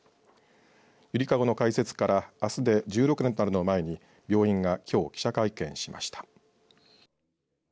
ゆりかごの開設からあすで１６年となるのを前に病院がきょう記者会見しました。